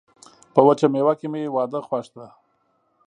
په وچه میوه کي مي واده خوښ ده.